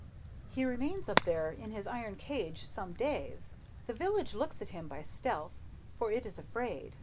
"He remains up there in his iron cage some days. The village looks at him by stealth, for it is afraid.